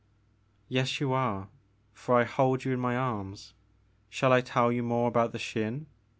"Yes you are, for I hold you in my arms. Shall I tell you more about the Xin